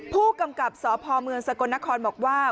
ผู้กำกับสพมสกนครบอกว่า